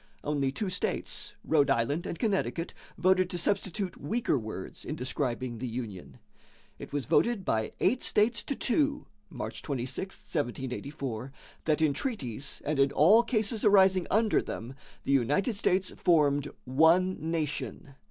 Only two states Rhode Island and Connecticut voted to substitute weaker words in describing the union. It was voted by eight states to two (March 26, 1784) that in treaties and in all cases arising under them, the United States formed "one nation."